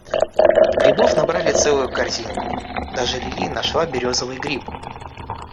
Грибов набрали целую корзинку, даже Лили нашла березовый гриб.